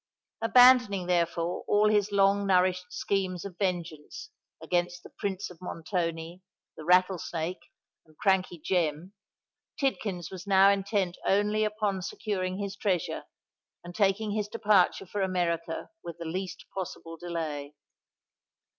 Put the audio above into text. Abandoning, therefore, all his long nourished schemes of vengeance against the Prince of Montoni, the Rattlesnake, and Crankey Jem, Tidkins was now intent only on securing his treasure, and taking his departure for America with the least possible delay.